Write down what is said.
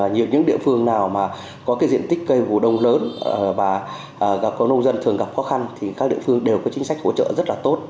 nhiều những địa phương nào mà có cái diện tích cây vụ đông lớn và có nông dân thường gặp khó khăn thì các địa phương đều có chính sách hỗ trợ rất là tốt